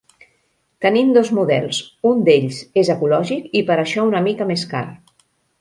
Tenim dos models, un d'ells és ecològic i per això una mica més car.